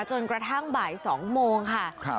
จนกระทั่งบ่าย๒โมงค่ะ